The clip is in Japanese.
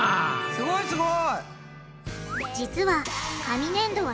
すごいすごい！